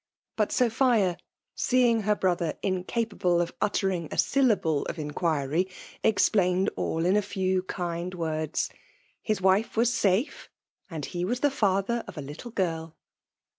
But Sophia, seeing her brother incapable of uttering a syllable of in VOL. II. B 2 FEMALE DOMINATION. quiry, explained all in a few kind words.— His wife was safe, and he was the father of a little girl.